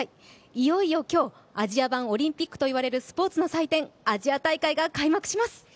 いよいよ今日、アジア版オリンピックといわれるスポーツの祭典アジア大会が開幕します。